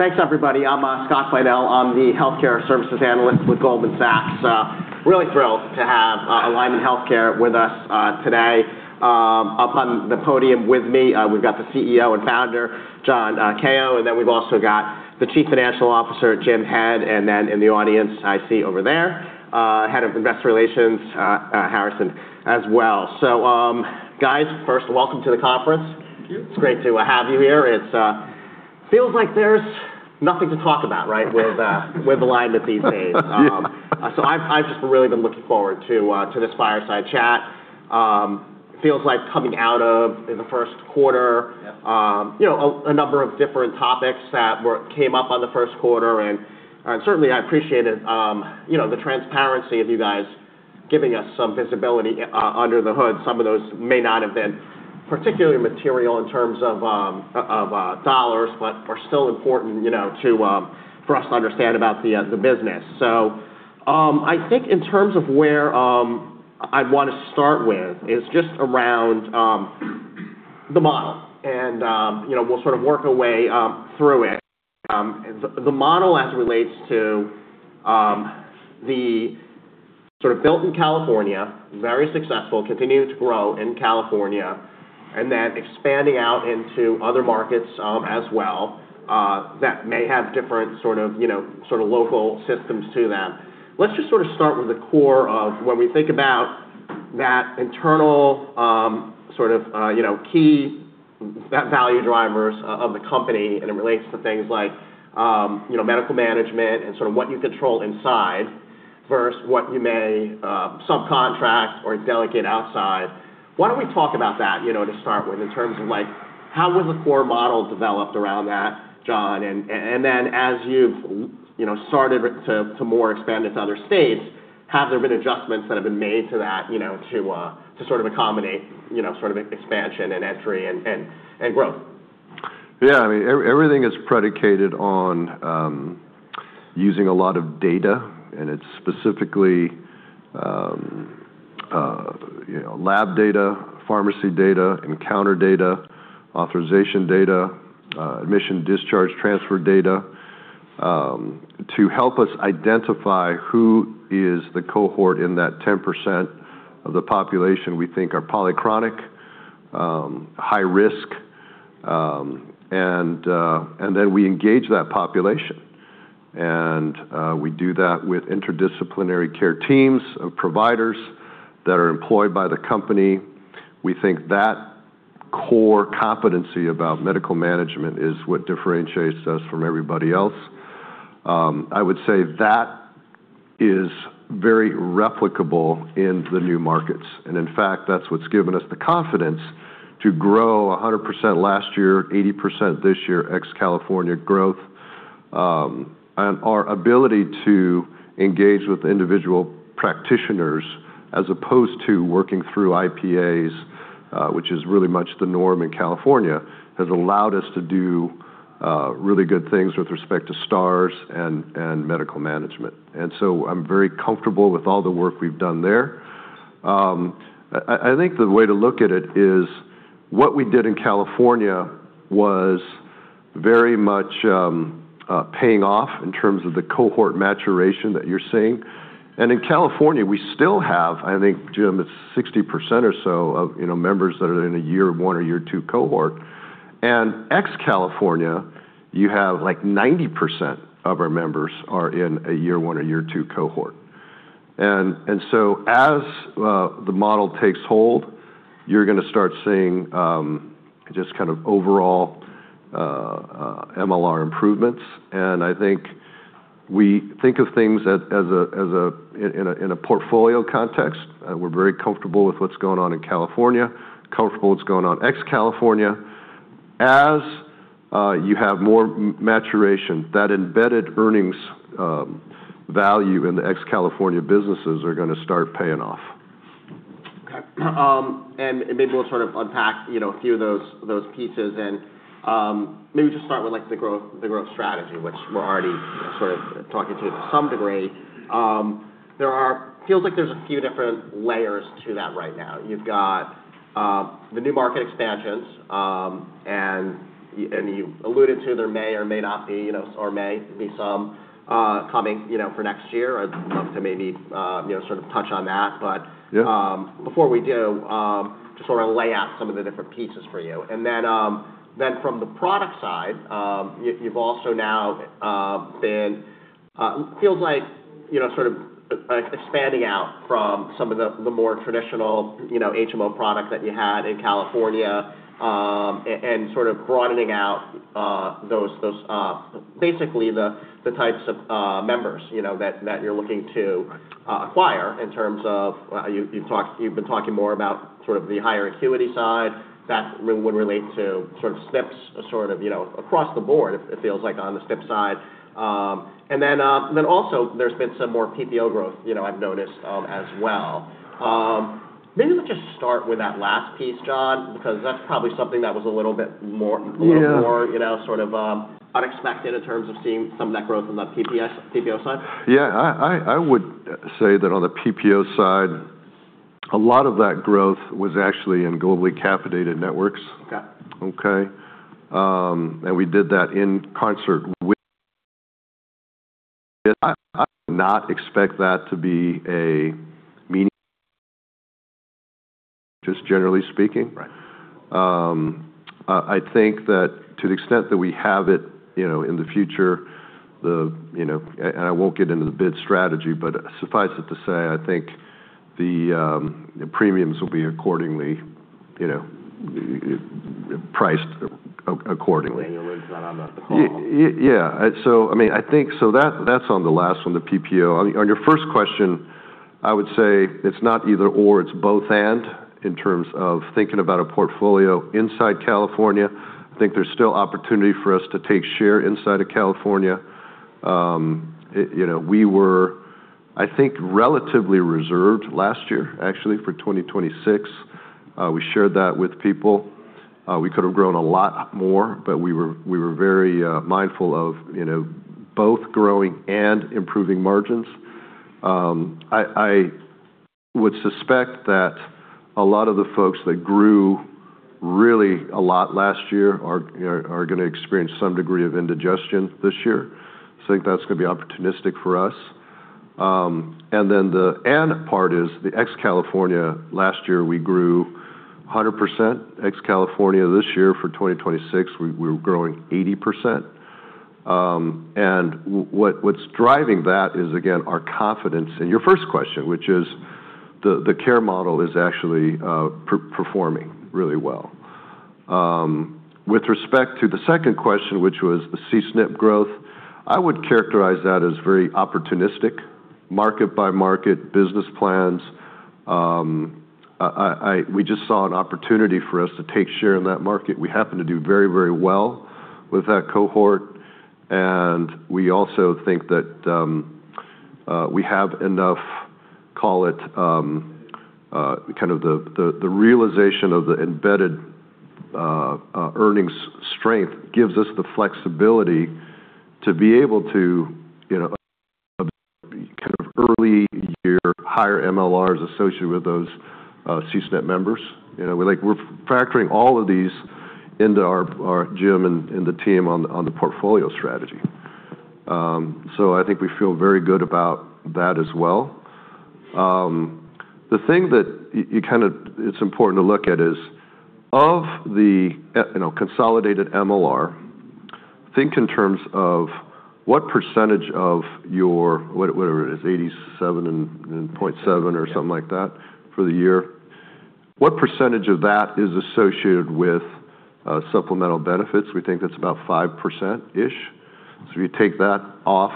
Thanks everybody. I'm Scott Fidel. I'm the healthcare services analyst with Goldman Sachs. Really thrilled to have Alignment Healthcare with us today. Up on the podium with me, we've got the CEO and Founder, John Kao, and then we've also got the Chief Financial Officer, Jim Head, and then in the audience, I see over there, Head of Investor Relations, Harrison, as well. Guys, first welcome to the conference. Thank you. It's great to have you here. It feels like there's nothing to talk about, right, with Alignment these days. Yeah. I've just really been looking forward to this fireside chat. It feels like coming out of the first quarter. Yeah. A number of different topics that came up in the first quarter. Certainly I appreciated the transparency of you guys giving us some visibility under the hood. Some of those may not have been particularly material in terms of dollars, but are still important for us to understand about the business. I think in terms of where I'd want to start with is just around the model, we'll sort of work our way through it. The model as it relates to the sort of built in California, very successful, continuing to grow in California, then expanding out into other markets as well, that may have different sort of local systems to them. Let's just start with the core of when we think about that internal key, that value drivers of the company and it relates to things like medical management and sort of what you control inside versus what you may subcontract or delegate outside. Why don't we talk about that to start with, in terms of how was the core model developed around that, John? Then as you've started to more expand into other states, have there been adjustments that have been made to that to sort of accommodate expansion and entry and growth? Yeah, everything is predicated on using a lot of data, and it's specifically lab data, pharmacy data, encounter data, authorization data, admission, discharge, transfer data, to help us identify who is the cohort in that 10% of the population we think are polychronic, high risk, then we engage that population. We do that with interdisciplinary care teams of providers that are employed by the company. We think that core competency about medical management is what differentiates us from everybody else. I would say that is very replicable in the new markets. In fact, that's what's given us the confidence to grow 100% last year, 80% this year ex-California growth. Our ability to engage with individual practitioners as opposed to working through IPAs, which is really much the norm in California, has allowed us to do really good things with respect to stars and medical management. I'm very comfortable with all the work we've done there. I think the way to look at it is what we did in California was very much paying off in terms of the cohort maturation that you're seeing. In California, we still have, I think, Jim, it's 60% or so of members that are in a year one or year two cohort. Ex-California, you have 90% of our members are in a year one or year two cohort. As the model takes hold, you're going to start seeing just kind of overall MLR improvements. I think we think of things in a portfolio context. We're very comfortable with what's going on in California, comfortable with what's going on ex-California. As you have more maturation, that embedded earnings value in the ex-California businesses are going to start paying off. Okay. Maybe we'll unpack a few of those pieces and maybe just start with the growth strategy, which we're already sort of talking to some degree. It feels like there's a few different layers to that right now. You've got the new market expansions, and you alluded to there may or may not be some coming for next year. I'd love to maybe touch on that. Yeah Before we do, just lay out some of the different pieces for you. Then from the product side, you've also now been, it feels like expanding out from some of the more traditional HMO product that you had in California, and broadening out basically the types of members that you're looking to acquire in terms of you've been talking more about the higher acuity side that would relate to C-SNPs across the board, it feels like, on the C-SNP side. Then also there's been some more PPO growth, I've noticed as well. Maybe let's just start with that last piece, John, because that's probably something that was a little bit more. Yeah Unexpected in terms of seeing some of that growth on the PPO side. Yeah. I would say that on the PPO side. A lot of that growth was actually in globally capitated networks. Okay. Okay. And we did that in concert with. I do not expect that to be a meaningful, just generally speaking. Right. I think that to the extent that we have it in the future, and I won't get into the bid strategy, but suffice it to say, I think the premiums will be priced accordingly. Ryan Daniels is not on the call. Yeah. I think that's on the last one, the PPO. On your first question, I would say it's not either/or, it's both/and in terms of thinking about a portfolio inside California. I think there's still opportunity for us to take share inside of California. We were, I think, relatively reserved last year, actually, for 2026. We shared that with people. We could've grown a lot more, but we were very mindful of both growing and improving margins. I would suspect that a lot of the folks that grew really a lot last year are going to experience some degree of indigestion this year. I think that's going to be opportunistic for us. The and part is the ex-California, last year we grew 100%. Ex-California this year for 2026, we're growing 80%. What's driving that is, again, our confidence in your first question, which is the care model is actually performing really well. With respect to the second question, which was the C-SNP growth, I would characterize that as very opportunistic, market-by-market business plans. We just saw an opportunity for us to take share in that market. We happen to do very well with that cohort, and we also think that we have enough, call it, the realization of the embedded earnings strength gives us the flexibility to be able to observe early year higher MLRs associated with those C-SNP members. We're factoring all of these into our Jim and the team on the portfolio strategy. I think we feel very good about that as well. The thing that it's important to look at is of the consolidated MLR, think in terms of what percentage of your, whatever it is, 87.7 or something like that for the year. What percentage of that is associated with supplemental benefits? We think that's about 5%-ish. If you take that off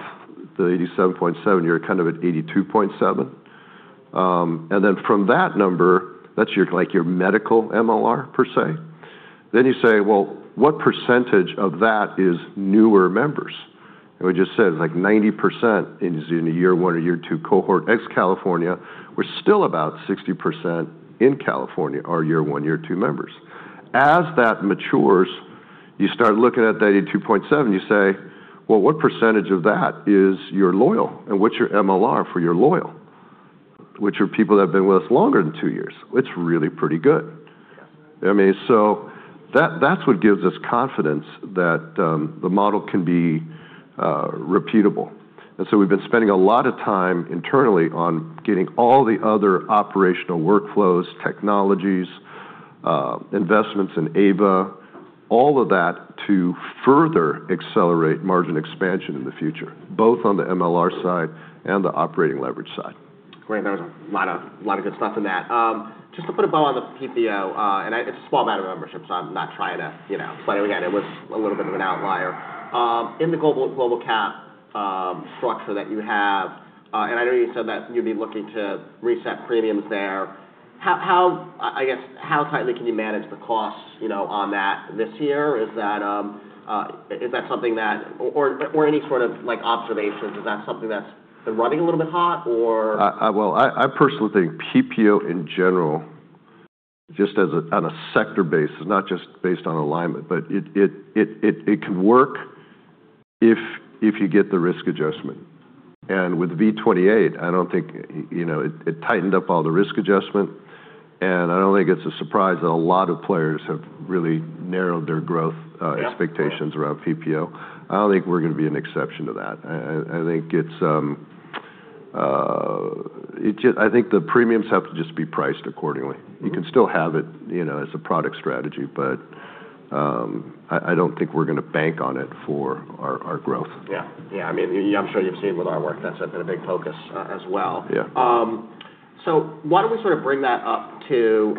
the 87.7, you're at 82.7. From that number, that's your medical MLR, percent. You say, well, what percentage of that is newer members? We just said, 90% is in a year one or year two cohort, ex-California, we're still about 60% in California are year one, year two members. As that matures, you start looking at that 82.7, you say, "Well, what percentage of that is your loyal, and what's your MLR for your loyal?" Which are people that have been with us longer than two years. It's really pretty good. Yeah. That's what gives us confidence that the model can be repeatable. We've been spending a lot of time internally on getting all the other operational workflows, technologies, investments in AVA, all of that to further accelerate margin expansion in the future, both on the MLR side and the operating leverage side. Great. There was a lot of good stuff in that. Just to put a bow on the PPO, and it's a small amount of membership, so I'm not trying to say, again, it was a little bit of an outlier. In the global cap structure that you have, and I know you said that you'd be looking to reset premiums there, I guess, how tightly can you manage the costs on that this year? Is that something that, or any sort of observations, is that something that's been running a little bit hot or? Well, I personally think. PPO in general, just on a sector basis, not just based on alignment, but it can work if you get the risk adjustment. With V28, I don't think it tightened up all the risk adjustment, and I don't think it's a surprise that a lot of players have really narrowed their growth expectations around PPO. I don't think we're going to be an exception to that. I think the premiums have to just be priced accordingly. You can still have it as a product strategy, I don't think we're going to bank on it for our growth. Yeah. I'm sure you've seen with our work that's been a big focus as well. Yeah. Why don't we bring that up to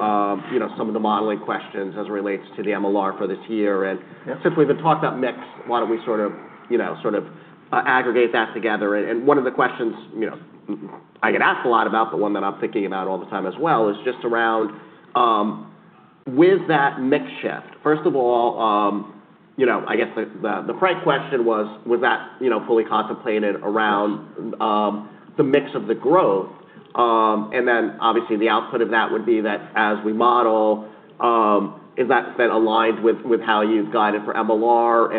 some of the modeling questions as it relates to the MLR for this year. Since we've been talking about mix, why don't we aggregate that together? One of the questions I get asked a lot about, the one that I'm thinking about all the time as well, is just around with that mix shift. First of all, I guess the price question was that fully contemplated around the mix of the growth? Then obviously the output of that would be that as we model, if that's then aligned with how you've guided for MLR.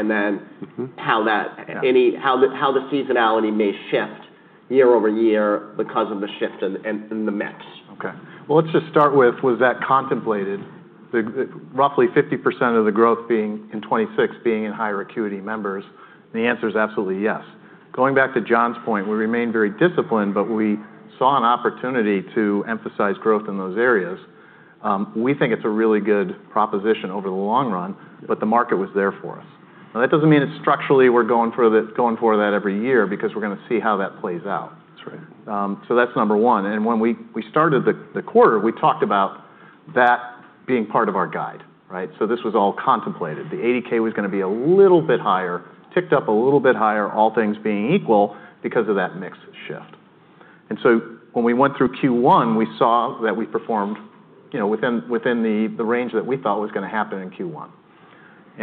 How the seasonality may shift year-over-year because of the shift in the mix. Let's just start with, was that contemplated? Roughly 50% of the growth being in 2026, being in higher acuity members, and the answer is absolutely yes. Going back to John's point, we remain very disciplined, but we saw an opportunity to emphasize growth in those areas. We think it's a really good proposition over the long run, but the market was there for us. That doesn't mean it's structurally we're going for that every year, because we're going to see how that plays out. That's right. That's number one. When we started the quarter, we talked about that being part of our guide, right? This was all contemplated. The A/K was going to be a little bit higher, ticked up a little bit higher, all things being equal, because of that mix shift. When we went through Q1, we saw that we performed within the range that we thought was going to happen in Q1.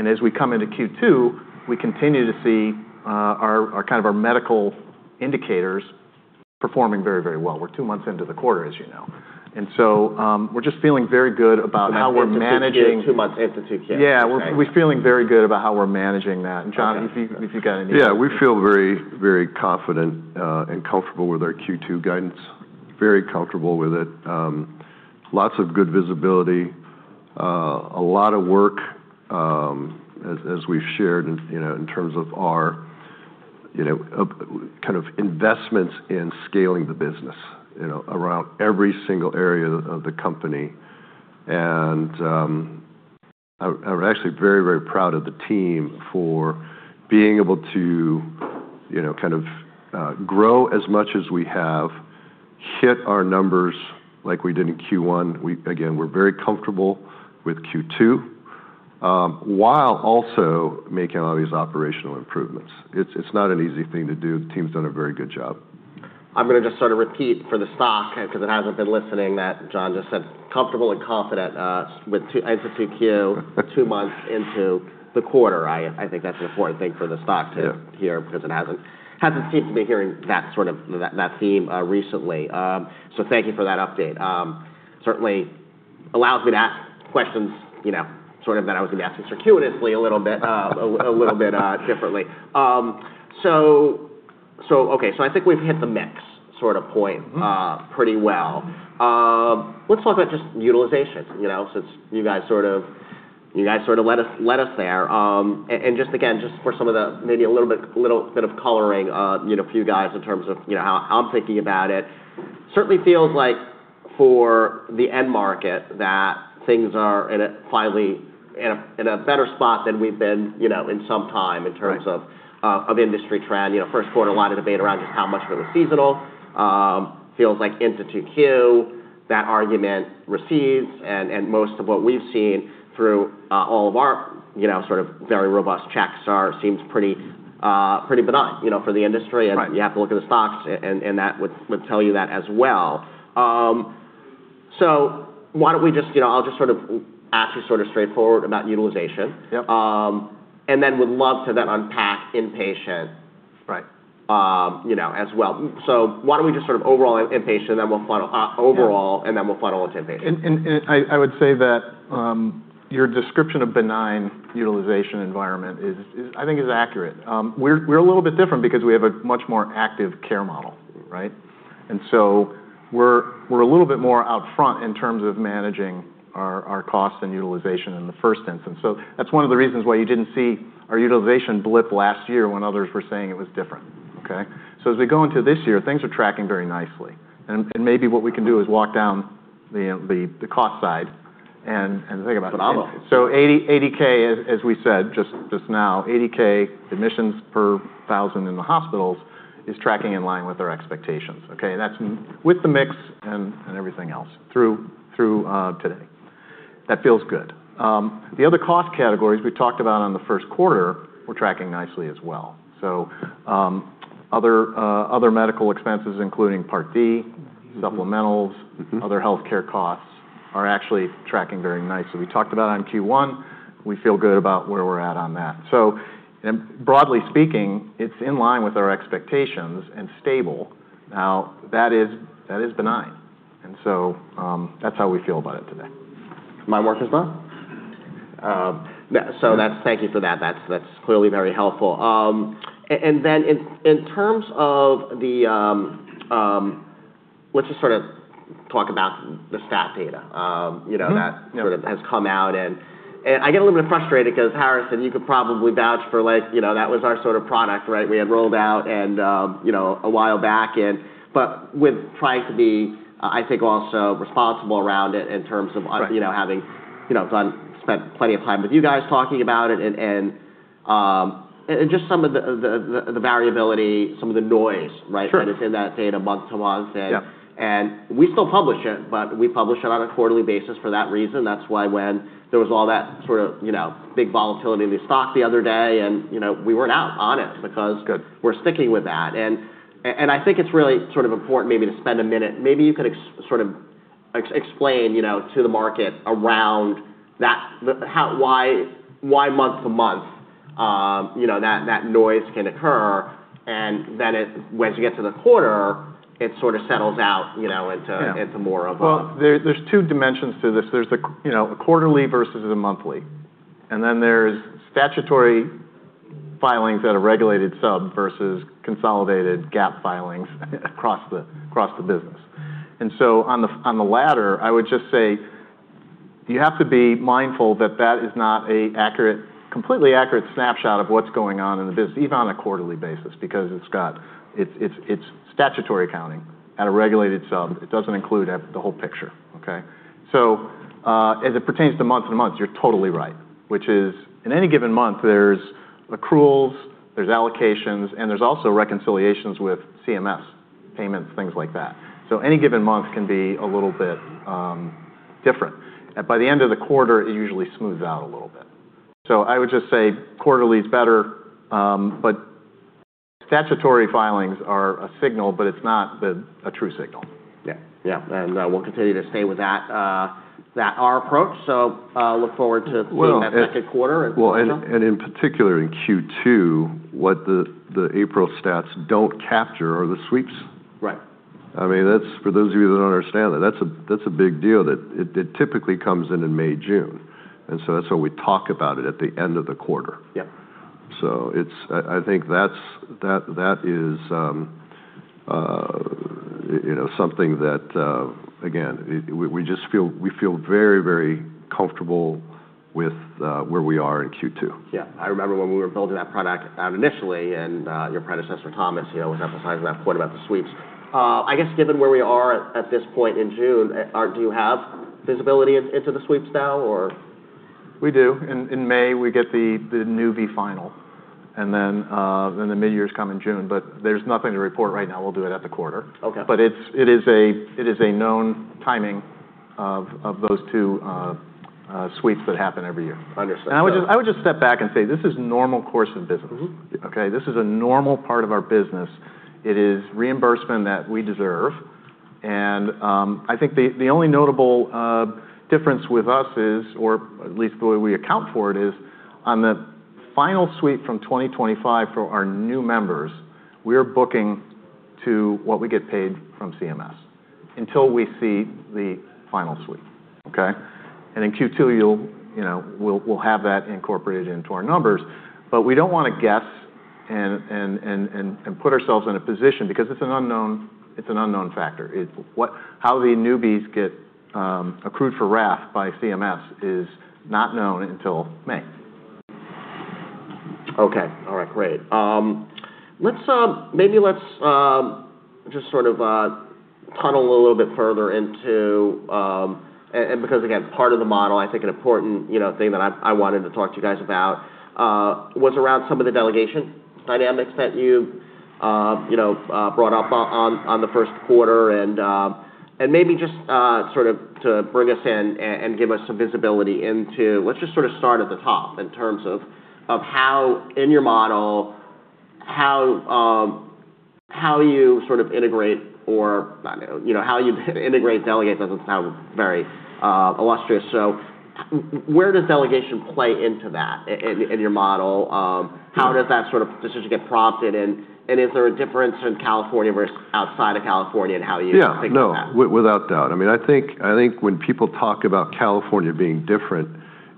As we come into Q2, we continue to see our medical indicators performing very, very well. We're two months into the quarter, as you know. We're just feeling very good about how we're managing- Two months into 2Q. Yeah. Okay. We're feeling very good about how we're managing that. John, if you've got anything. Yeah, we feel very, very confident and comfortable with our Q2 guidance. Very comfortable with it. Lots of good visibility. A lot of work, as we've shared, in terms of our investments in scaling the business around every single area of the company. I'm actually very, very proud of the team for being able to grow as much as we have, hit our numbers like we did in Q1. We're very comfortable with Q2, while also making a lot of these operational improvements. It's not an easy thing to do. The team's done a very good job. I'm going to just sort of repeat for the stock, because it hasn't been listening, that John just said, comfortable and confident into 2Q, two months into the quarter. I think that's an important thing for the stock. Yeah hear because it hasn't seemed to be hearing that theme recently. Thank you for that update. Certainly allows me to ask questions that I was going to ask you circuitously a little bit differently. Okay. I think we've hit the mix point pretty well. Let's talk about just utilization, since you guys sort of led us there. Just, again, just for some of the, maybe a little bit of coloring for you guys in terms of how I'm thinking about it. Certainly feels like for the end market, that things are finally in a better spot than we've been in some time in terms of industry trend. First quarter, a lot of debate around just how much of it was seasonal. Feels like into 2Q, that argument recedes, and most of what we've seen through all of our very robust checks seems pretty benign for the industry. Right. You have to look at the stocks, and that would tell you that as well. I'll just ask you sort of straightforward about utilization. Yep. Would love to then unpack inpatient- Right As well. Why don't we just sort of overall inpatient, we'll follow with inpatient. I would say that your description of benign utilization environment is, I think, accurate. We're a little bit different because we have a much more active care model, right? We're a little bit more out front in terms of managing our costs and utilization in the first instance. That's one of the reasons why you didn't see our utilization blip last year when others were saying it was different. Okay? As we go into this year, things are tracking very nicely. Maybe what we can do is walk down the cost side and think about. Bravo. 80K, as we said just now, 80K admissions per 1,000 in the hospitals is tracking in line with our expectations. Okay? That's with the mix and everything else through today. That feels good. The other cost categories we talked about on the first quarter, we're tracking nicely as well. Other medical expenses, including Part D, supplementals. Other healthcare costs, are actually tracking very nicely. We talked about on Q1, we feel good about where we're at on that. Broadly speaking, it's in line with our expectations and stable. Now, that is benign, that's how we feel about it today. My work is done. Thank you for that. That's clearly very helpful. In terms of the, let's just sort of talk about the stat data. That sort of has come out and I get a little bit frustrated because Harrison, you could probably vouch for that was our sort of product, right? We had rolled out a while back, with trying to be, I think, also responsible around it. Right Having spent plenty of time with you guys talking about it, just some of the variability, some of the noise, right? Sure. That is in that data month-to-month. Yeah We still publish it, we publish it on a quarterly basis for that reason. That's why when there was all that sort of big volatility in the stock the other day we weren't out on it. Good We're sticking with that. I think it's really sort of important maybe to spend a minute, maybe you could sort of explain to the market around why month-to-month. That noise can occur, and then once you get to the quarter, it sort of settles out into. Yeah More of a- Well, there's two dimensions to this. There's the quarterly versus the monthly, and then there's statutory filings at a regulated sub versus consolidated GAAP filings across the business. On the latter, I would just say you have to be mindful that that is not a completely accurate snapshot of what's going on in the business, even on a quarterly basis, because it's statutory accounting at a regulated sub. It doesn't include the whole picture. Okay. As it pertains to month-to-month, you're totally right, which is in any given month, there's accruals, there's allocations, and there's also reconciliations with CMS payments, things like that. Any given month can be a little bit different. By the end of the quarter, it usually smooths out a little bit. I would just say quarterly is better, but statutory filings are a signal, but it's not a true signal. Yeah. We'll continue to stay with that, our approach. Look forward to seeing that second quarter as well. Well, in particular in Q2, what the April stats don't capture are the sweeps. Right. For those of you that don't understand that's a big deal. It typically comes in in May, June, and so that's why we talk about it at the end of the quarter. Yeah. I think that is something that, again, we feel very, very comfortable with where we are in Q2. I remember when we were building that product out initially, your predecessor, Thomas, was emphasizing that point about the sweeps. I guess, given where we are at this point in June, do you have visibility into the sweeps now, or? We do. In May, we get the newbie final, the midyears come in June. There's nothing to report right now. We'll do it at the quarter. Okay. It is a known timing of those two sweeps that happen every year. Understood. I would just step back and say, this is normal course of business. Okay. This is a normal part of our business. It is reimbursement that we deserve, and I think the only notable difference with us is, or at least the way we account for it is, on the final sweep from 2025 for our new members, we are booking to what we get paid from CMS until we see the final sweep. Okay. In Q2, we'll have that incorporated into our numbers. We don't want to guess and put ourselves in a position, because it's an unknown factor. How the newbies get accrued for RAF by CMS is not known until May. Okay. All right. Great. Maybe let's just sort of tunnel a little bit further into because, again, part of the model, I think an important thing that I wanted to talk to you guys about, was around some of the delegation dynamics that you brought up on the first quarter. Maybe just to bring us in and give us some visibility into, let's just start at the top in terms of how, in your model, how you integrate or how you integrate delegates doesn't sound very illustrious. Where does delegation play into that in your model? How does that decision get prompted, and is there a difference in California versus outside of California in how you think about that? Yeah. No, without doubt. I think when people talk about California being different,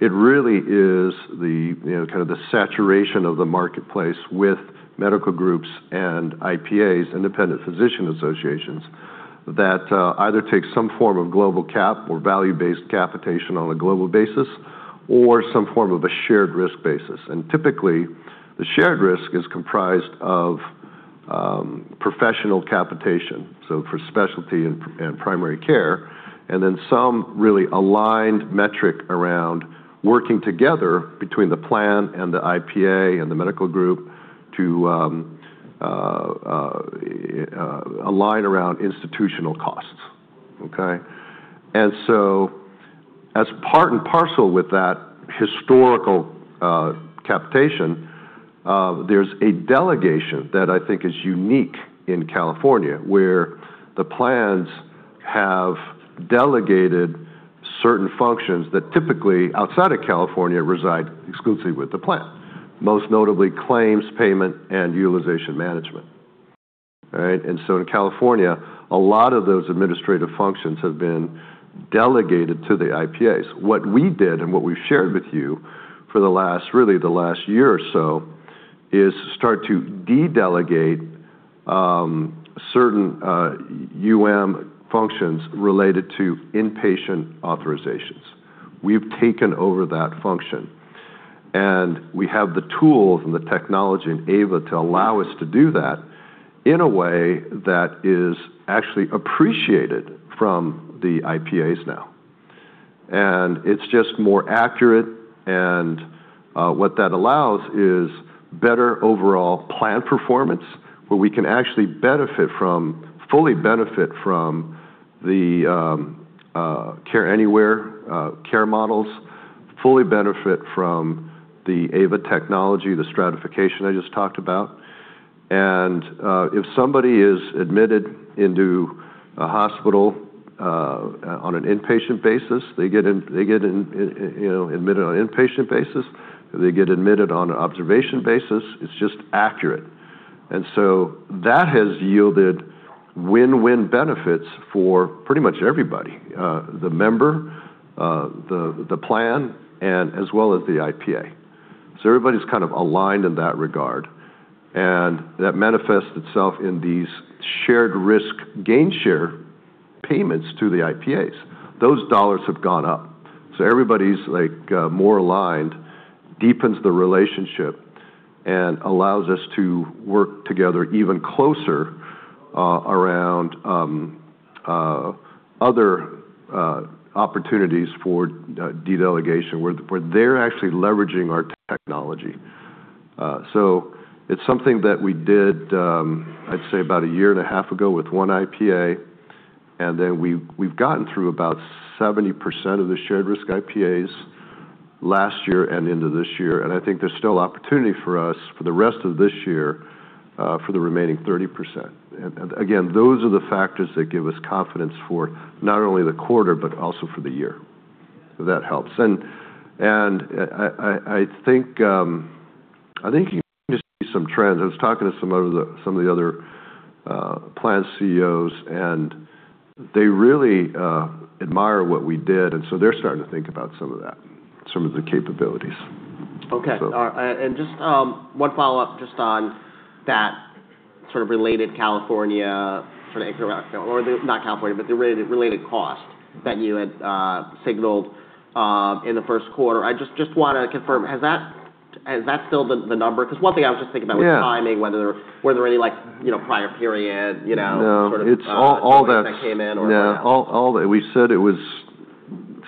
it really is the saturation of the marketplace with medical groups and IPAs, independent physician associations, that either take some form of global cap or value-based capitation on a global basis or some form of a shared risk basis. Typically, the shared risk is comprised of professional capitation, so for specialty and primary care, and then some really aligned metric around working together between the plan and the IPA and the medical group to align around institutional costs. Okay. As part and parcel with that historical capitation, there's a delegation that I think is unique in California, where the plans have delegated certain functions that typically, outside of California, reside exclusively with the plan. Most notably, claims, payment, and utilization management. All right. In California, a lot of those administrative functions have been delegated to the IPAs. What we did and what we've shared with you for the last year or so is start to de-delegate certain UM functions related to inpatient authorizations. We've taken over that function, and we have the tools and the technology in AVA to allow us to do that in a way that is actually appreciated from the IPAs now. It's just more accurate, and what that allows is better overall plan performance, where we can actually fully benefit from the care anywhere care models, fully benefit from the AVA technology, the stratification I just talked about. If somebody is admitted into a hospital on an inpatient basis, they get admitted on an inpatient basis, they get admitted on an observation basis. It's just accurate. That has yielded win-win benefits for pretty much everybody, the member, the plan, and as well as the IPA. Everybody's kind of aligned in that regard, and that manifests itself in these shared risk gain share payments to the IPAs. Those dollars have gone up. Everybody's more aligned, deepens the relationship, and allows us to work together even closer around other opportunities for dedelegation, where they're actually leveraging our technology. It's something that we did, I'd say about a year and a half ago with one IPA, and then we've gotten through about 70% of the shared risk IPAs last year and into this year. I think there's still opportunity for us for the rest of this year, for the remaining 30%. Again, those are the factors that give us confidence for not only the quarter, but also for the year. That helps. I think you can just see some trends. I was talking to some of the other plan CEOs, and they really admire what we did, and so they're starting to think about some of that, some of the capabilities. Okay. Just one follow-up just on that sort of related California, or not California, but the related cost that you had signaled in the first quarter. I just want to confirm, is that still the number? One thing I was just thinking about- Yeah Was timing, were there any prior period- No sort of events that came in or? No. We said it was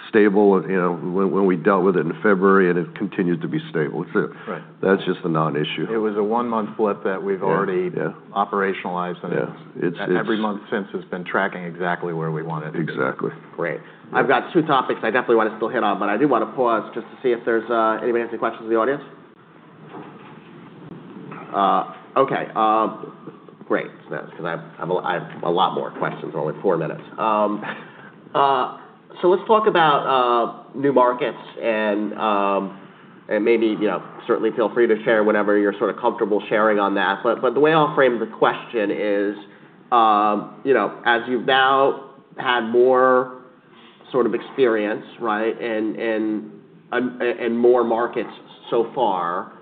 stable when we dealt with it in February, and it continued to be stable. Right. That's just a non-issue. It was a one-month blip that we've already. Yeah Operationalized, Yeah Every month since has been tracking exactly where we want it to be. Exactly. Great. I've got two topics I definitely want to still hit on, but I do want to pause just to see if there's anybody have any questions in the audience. Okay, great. I have a lot more questions, we're only four minutes. Let's talk about new markets and maybe certainly feel free to share whatever you're sort of comfortable sharing on that. The way I'll frame the question is, as you've now had more sort of experience, right, and more markets so far,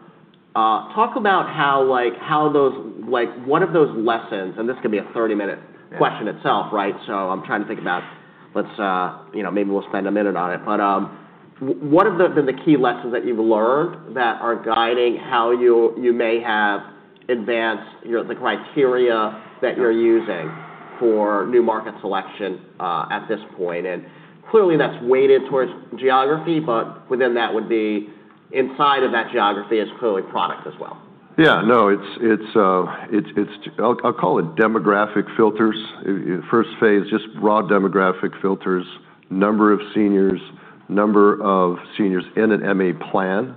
talk about what are those lessons, and this could be a 30-minute question itself, right? I'm trying to think about maybe we'll spend a minute on it, but what have been the key lessons that you've learned that are guiding how you may have advanced the criteria that you're using for new market selection at this point? Clearly, that's weighted towards geography, within that would be inside of that geography is clearly product as well. Yeah. No. I'll call it demographic filters. First phase, just raw demographic filters. Number of seniors, number of seniors in an MA plan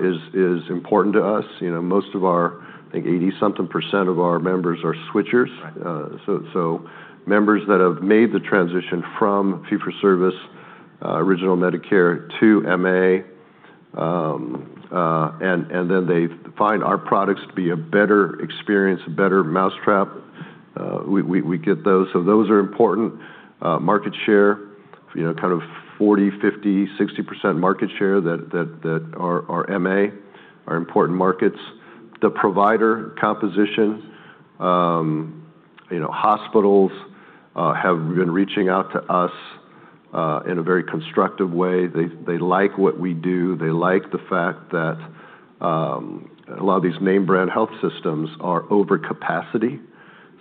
is important to us. Most of our, I think 80 something% of our members are switchers. Right. Members that have made the transition from fee-for-service, original Medicare to MA, they find our products to be a better experience, a better mousetrap. We get those. Those are important. Market share, kind of 40, 50, 60% market share that are MA are important markets. The provider composition. Hospitals have been reaching out to us in a very constructive way. They like what we do. They like the fact that a lot of these name brand health systems are over capacity,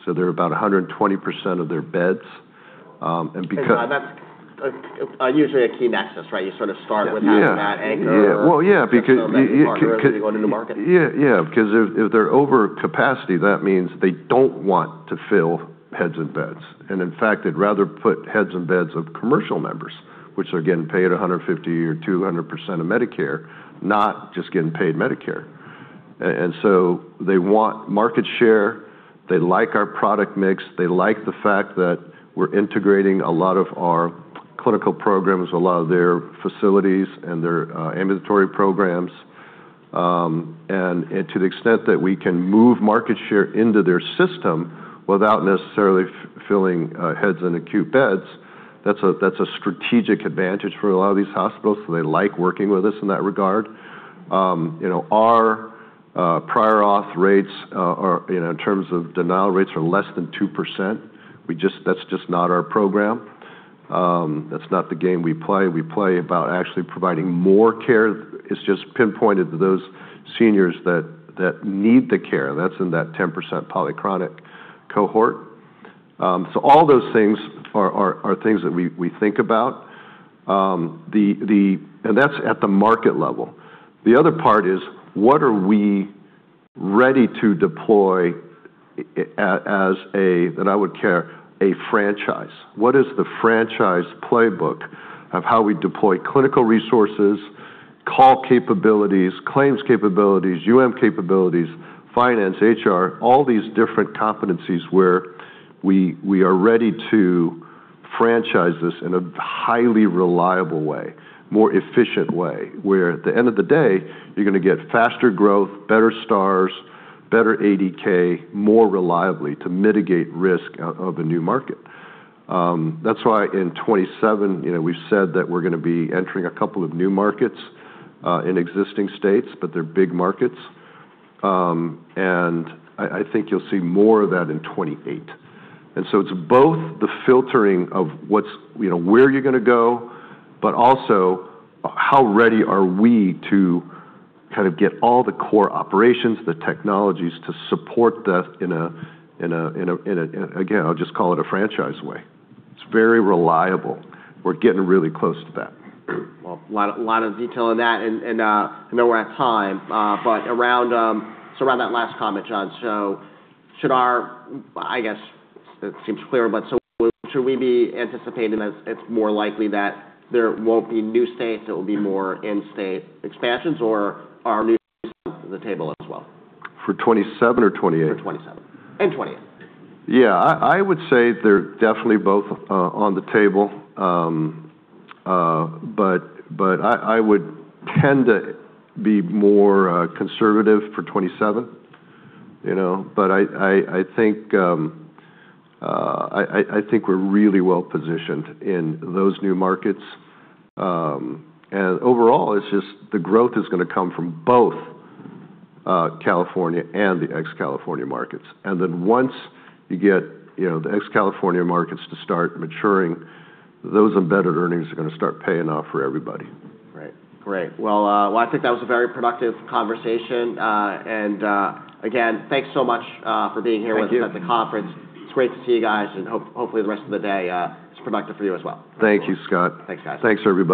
so they're about 120% of their beds. Because. That's usually a key nexus, right? You sort of start with. Yeah Having that anchor. Well, yeah. Partner as you go into the market. Yeah. If they're over capacity, that means they don't want to fill heads and beds. In fact, they'd rather put heads and beds of commercial members, which are getting paid 150% or 200% of Medicare, not just getting paid Medicare. They want market share. They like our product mix. They like the fact that we're integrating a lot of our clinical programs, a lot of their facilities and their ambulatory programs. To the extent that we can move market share into their system without necessarily filling heads in acute beds, that's a strategic advantage for a lot of these hospitals. They like working with us in that regard. Our prior auth rates, in terms of denial rates, are less than 2%. That's just not our program. That's not the game we play. We play about actually providing more care. It's just pinpointed to those seniors that need the care. That's in that 10% polychronic cohort. All those things are things that we think about. That's at the market level. The other part is, what are we ready to deploy as a franchise? What is the franchise playbook of how we deploy clinical resources, call capabilities, claims capabilities, UM capabilities, finance, HR, all these different competencies where we are ready to franchise this in a highly reliable way, more efficient way, where at the end of the day, you're going to get faster growth, better stars, better ADK, more reliably to mitigate risk of a new market. That's why in 2027, we've said that we're going to be entering a couple of new markets in existing states, they're big markets. I think you'll see more of that in 2028. It's both the filtering of where you're going to go, but also how ready are we to get all the core operations, the technologies to support that in a, again, I'll just call it a franchise way. It's very reliable. We're getting really close to that. Well, a lot of detail in that, and I know we're at time. Around that last comment, John, I guess it seems clear, should we be anticipating as it's more likely that there won't be new states, it will be more in-state expansions, or are new states on the table as well? For 2027 or 2028? For 2027. 2028. Yeah, I would say they're definitely both on the table. I would tend to be more conservative for 2027. I think we're really well-positioned in those new markets. Overall, it's just the growth is going to come from both California and the ex-California markets. Once you get the ex-California markets to start maturing, those embedded earnings are going to start paying off for everybody. Right. Great. Well, I think that was a very productive conversation. Again, thanks so much for being here with us. Thank you. At the conference. It's great to see you guys, hopefully, the rest of the day is productive for you as well. Thank you, Scott. Thanks, guys. Thanks, everybody.